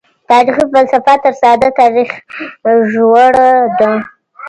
تاريخي فلسفه تر ساده تاريخ ژوره ده.